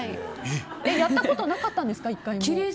やったことなかったんですか？